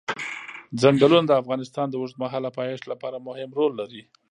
چنګلونه د افغانستان د اوږدمهاله پایښت لپاره مهم رول لري.